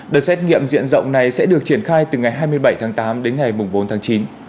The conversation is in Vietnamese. đợt xét nghiệm diện rộng này sẽ được triển khai từ ngày hai mươi bảy tháng tám đến ngày bốn tháng chín